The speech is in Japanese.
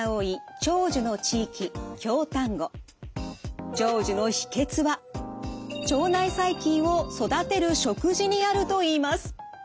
長寿の秘けつは腸内細菌を育てる食事にあるといいます。